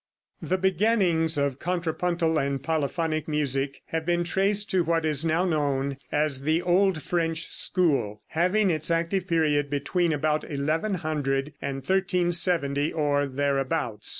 The beginnings of contrapuntal and polyphonic music have been traced to what is now known as the old French school, having its active period between about 1100 and 1370, or thereabouts.